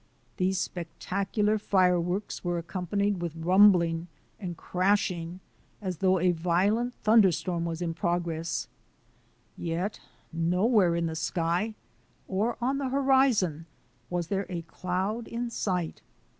These spectacular fireworks were accompanied with rumbling and crashing as though a violent thunder storm was in progress, yet nowhere in the sky or on the horizon was there a cloud in sight.